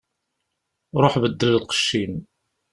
Ṛuḥ beddel lqecc-im.